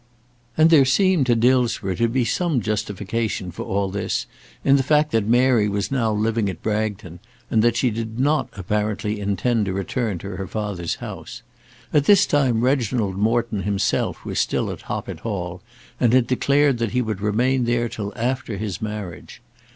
And there seemed to Dillsborough to be some justification for all this in the fact that Mary was now living at Bragton, and that she did not apparently intend to return to her father's house. At this time Reginald Morton himself was still at Hoppet Hall, and had declared that he would remain there till after his marriage.